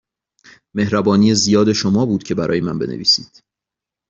مهربانی زیاد شما بود که برای من بنویسید.